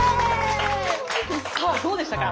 さあどうでしたか？